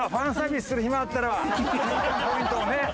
ポイントをね